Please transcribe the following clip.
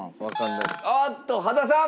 あーっと羽田さん！